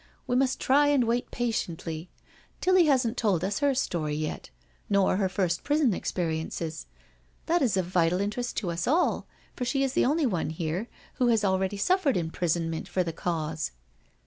We must try and wait patiently. Tilly hasn't told us her story yet, nor her first prison experiences — that is of vital interest to us all, for she is the only one here who has already suffered imprisonment for the Cause."